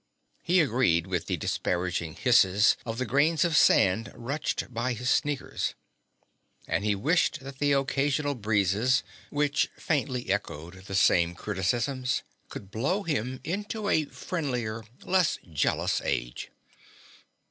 He agreed with the disparaging hisses of the grains of sand rutched by his sneakers, and he wished that the occasional breezes, which faintly echoed the same criticisms, could blow him into a friendlier, less jealous age.